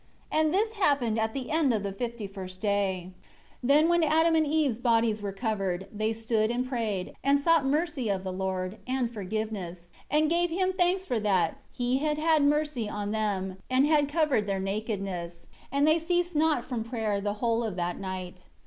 10 And this happened at the end of the fifty first day. 11 Then when Adam's and Eve's bodies were covered, they stood and prayed, and sought mercy of the Lord, and forgiveness, and gave Him thanks for that He had had mercy on them, and had covered their nakedness. And they ceased not from prayer the whole of that night.